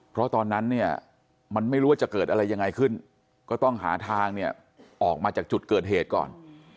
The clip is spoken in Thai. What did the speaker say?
เพราะตอนนั้นเนี่ยมันไม่รู้ว่าจะเกิดอะไรยังไงขึ้นก็ต้องหาทางเนี่ยออกมาจากจุดเกิดเหตุก่อน